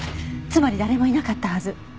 つまり誰もいなかったはず。